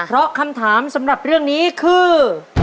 เพราะคำถามสำหรับเรื่องนี้คือ